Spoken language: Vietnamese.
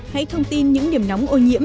hãy thông tin những điểm nóng ô nhiễm